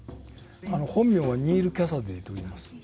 本名はニール・キャサディといいます。